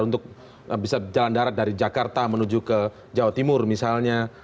untuk bisa jalan darat dari jakarta menuju ke jawa timur misalnya